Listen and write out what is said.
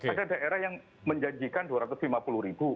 ada daerah yang menjanjikan dua ratus lima puluh ribu